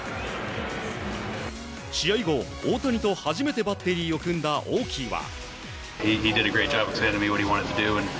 試合後、大谷と初めてバッテリーを組んだオーキーは。